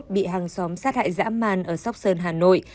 bị hàng xóm sát hại dã man ở sóc sơn hà nội